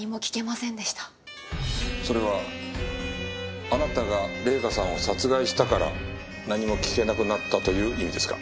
それはあなたが礼香さんを殺害したから何も聞けなくなったという意味ですか？